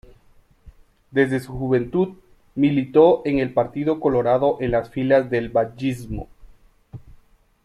Desde su juventud militó en el Partido Colorado en las filas del Batllismo.